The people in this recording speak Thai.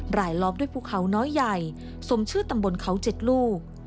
ลายล้อมด้วยภูเขาน้อยใหญ่สมชื่อตำบลเขา๗ลูก